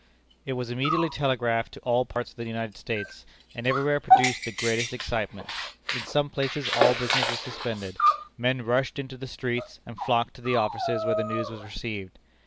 It was immediately telegraphed to all parts of the United States, and everywhere produced the greatest excitement. In some places all business was suspended; men rushed into the streets, and flocked to the offices where the news was received.